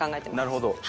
なるほど。